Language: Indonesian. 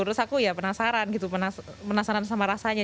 terus aku ya penasaran gitu penasaran sama rasanya